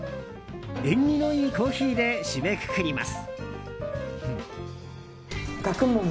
縁起のいいコーヒーで締めくくります。